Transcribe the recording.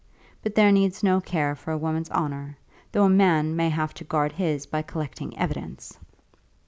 But there needs no care for a woman's honour, though a man may have to guard his by collecting evidence!"